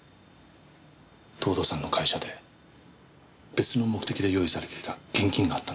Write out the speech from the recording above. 藤堂さんの会社で別の目的で用意されていた現金があったんです。